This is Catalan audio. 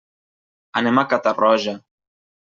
Anem a Catarroja.